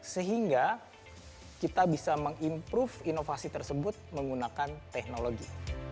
sehingga kita bisa mengimprove inovasi tersebut menggunakan teknologi